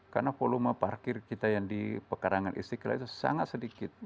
karena volume parkir kita yang di pekarangan istiqlal itu sangat sedikit